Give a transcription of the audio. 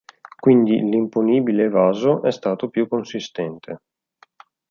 Quindi l'imponibile evaso è stato più consistente.